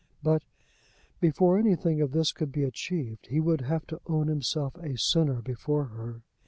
But, before anything of this could be achieved, he would have to own himself a sinner before her.